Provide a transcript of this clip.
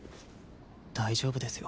大丈夫ですよ